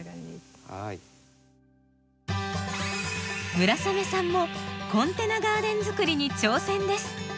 村雨さんもコンテナガーデンづくりに挑戦です。